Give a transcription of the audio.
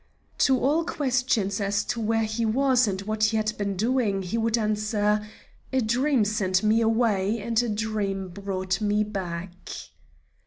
To all questions as to where he was and what he had been doing, he would answer: "A dream sent me away, and a dream brought me back."